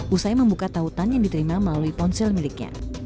usai membuka tautan yang diterima melalui ponsel miliknya